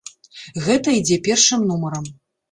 Гэта ідзе першым нумарам.